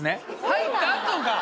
入ったあとが。